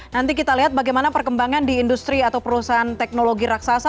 nanti kita lihat bagaimana perkembangan di industri atau perusahaan teknologi raksasa